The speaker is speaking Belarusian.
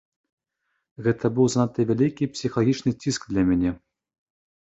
Гэта быў занадта вялікі псіхалагічны ціск для мяне.